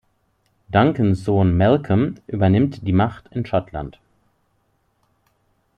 Duncans Sohn Malcolm übernimmt die Macht in Schottland.